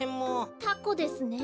タコですね。